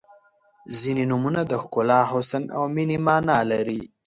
• ځینې نومونه د ښکلا، حسن او مینې معنا لري.